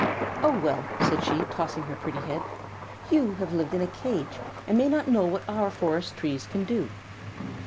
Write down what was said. "Oh, well," said she, tossing her pretty head, "you have lived in a cage and may not know what our forest trees can do."